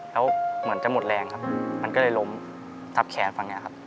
แล้วเหมือนจะหมดแรงครับมันก็เลยล้มทับแขนฝั่งนี้ครับ